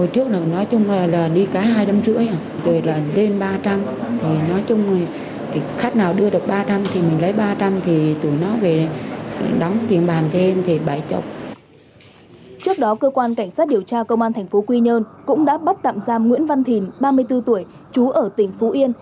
trước đó cơ quan cảnh sát điều tra công an tp quy nhơn cũng đã bắt tạm giam nguyễn văn thìn ba mươi bốn tuổi chú ở tỉnh phú yên